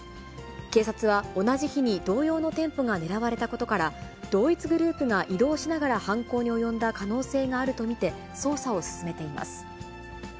警察は、同じ日に同様の店舗が狙われたことから、同一グループが移動しながら犯行に及んだ可能性があると見て、捜査を進めています。